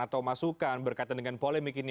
atau masukan berkaitan dengan polemik ini